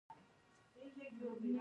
رفاه د هر چا هیله ده